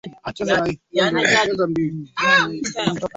aliendelea kupanua mamlaka yake na alivamia pia miji mitakatifu